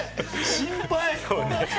心配。